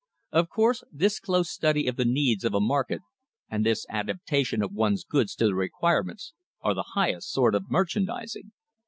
Of course this close study of the needs of a market, and this adaptation of one's goods to the requirements, are the highest sort of merchandising.